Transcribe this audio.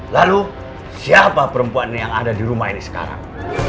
lalu siapa perempuan yang ada di rumah ini sekarang